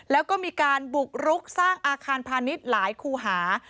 แล้วก็มีการบุกรุกสร้างอาคารพาณิชย์หลายคู่หา